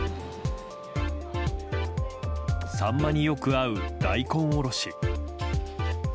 サンマによく合う大根おろし。